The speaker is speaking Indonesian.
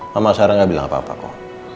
mama sarah gak bilang papa aku